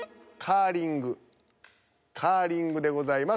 「カーリング」でございます。